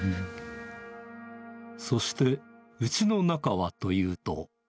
そして、うちの中はというと。